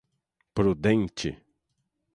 prudente